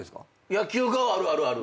野球顔あるあるある。